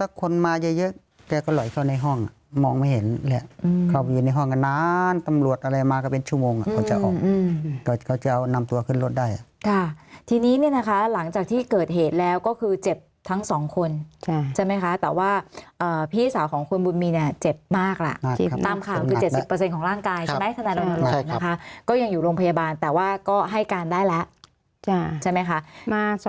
อะไรมาก็เป็นชั่วโมงอ่ะเขาจะออกอืมเขาก็จะเอานำตัวขึ้นรถได้อ่ะค่ะทีนี้เนี้ยนะคะหลังจากที่เกิดเหตุแล้วก็คือเจ็บทั้งสองคนใช่ไหมคะแต่ว่าเอ่อพี่สาวของคุณบุญมีเนี้ยเจ็บมากล่ะตามคำคือเจ็บสิบเปอร์เซ็นต์ของร่างกายใช่ไหมธนาโรงพยาบาลนะคะก็ยังอยู่โรงพยาบาลแต่ว่าก็ให้การได้แล้วใช่ไหมคะมาส